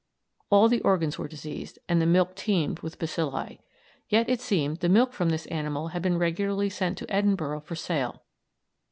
All the organs were diseased, and the milk teemed with bacilli. Yet, it seemed, the milk from this animal had been regularly sent into Edinburgh for sale.